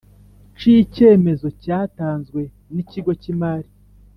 cicyemezo cyatanzwe n ikigo cy imari